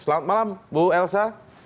selamat malam bu elsa